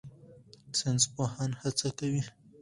ساینسپوهان هڅه کوي.